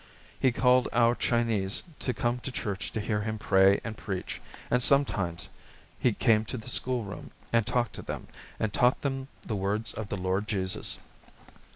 He called our Chinese to come to church to hear him pray and preach, and sometimes he came to the school room, and talked to them and taught them the words of the Lord Jesus."